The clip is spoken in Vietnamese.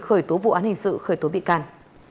khởi tố vụ án hình sự khởi tố bị can